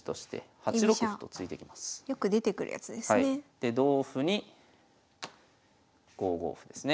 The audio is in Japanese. で同歩に５五歩ですね。